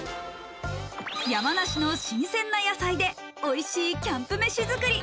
山梨の新鮮な野菜でおいしいキャンプ飯作り。